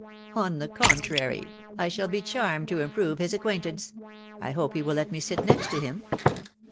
" On the contrary, I shall be charmed to improve his acquaintance. I hope he will let me sit next him."